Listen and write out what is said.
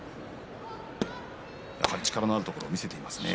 やはり力のあるところを見せていますね。